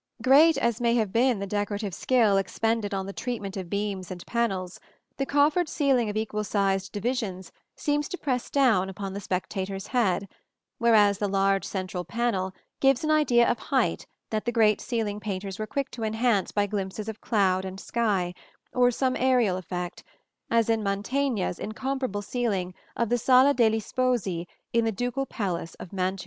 Great as may have been the decorative skill expended on the treatment of beams and panels, the coffered ceiling of equal sized divisions seems to press down upon the spectator's head; whereas the large central panel gives an idea of height that the great ceiling painters were quick to enhance by glimpses of cloud and sky, or some aerial effect, as in Mantegna's incomparable ceiling of the Sala degli Sposi in the ducal palace of Mantua.